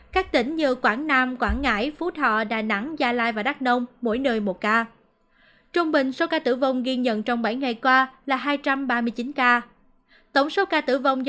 các tỉnh như quảng nam quảng ngãi phú thọ đà nẵng gia lai và đắk đông